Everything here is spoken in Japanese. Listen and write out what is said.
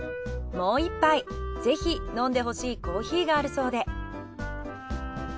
もう１杯ぜひ飲んでほしいコーヒーがあるそうで。